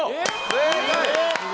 正解！